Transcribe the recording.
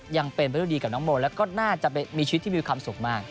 ยังเป็นไปด้วยดีกับน้องโมแล้วก็น่าจะมีชีวิตที่มีความสุขมาก